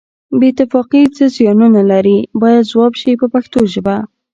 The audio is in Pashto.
بې اتفاقي څه زیانونه لري باید ځواب شي په پښتو ژبه.